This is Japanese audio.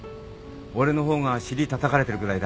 俺のほうが尻たたかれてるぐらいだハハハ。